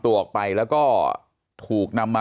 ท่านรองโฆษกครับ